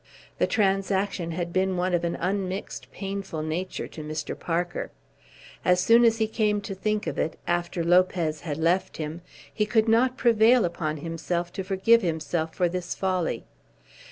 The transaction had been one of an unmixed painful nature to Mr. Parker. As soon as he came to think of it, after Lopez had left him, he could not prevail upon himself to forgive himself for his folly.